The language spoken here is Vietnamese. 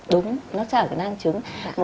đúng nó sẽ ở cái năng trứng